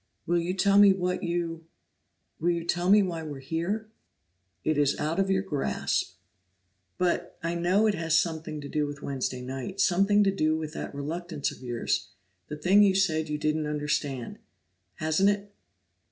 Will you tell me what you will you tell me why we're here?" "It is out of your grasp." "But I know it has something to do with Wednesday night, something to do with that reluctance of yours, the thing you said you didn't understand. Hasn't it?"